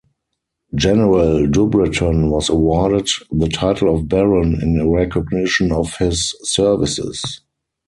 General Dubreton was awarded the title of baron in recognition of his services.